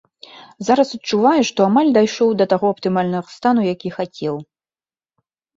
Зараз адчуваю, што амаль дайшоў да таго аптымальнага стану, які хацеў.